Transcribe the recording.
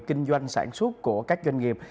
kinh doanh sản xuất của các doanh nghiệp